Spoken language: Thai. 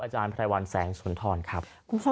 จารไพรวัลแสงสุนทรครับ